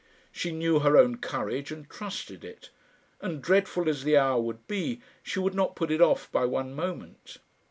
She knew her own courage, and trusted it; and, dreadful as the hour would be, she would not put it off by one moment.